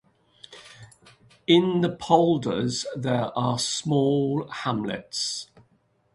In the polders there are small hamlets.